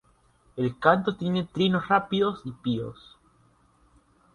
El canto tiene trinos rápidos y píos.